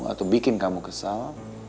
atau bikin kamu kesal